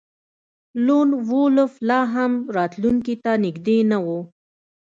لون وولف لاهم راتلونکي ته نږدې نه و